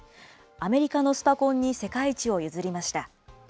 アメリカのスパコンに世界一を譲りました。